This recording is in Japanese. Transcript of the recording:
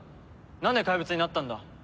なんで怪物になったんだ？